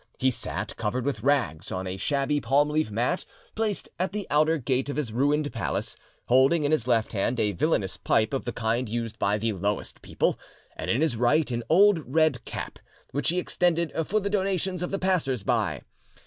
He sat, covered with rags, on a shabby palm leaf mat placed at the outer gate of his ruined palace, holding in his left hand a villainous pipe of the kind used by the lowest people, and in his right an old red cap, which he extended for the donations of the passers by.